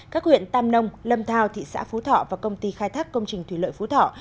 các huyện tam nông lâm thao thị xã phú thọ và công ty khai thác công trình thủy lợi phú thọ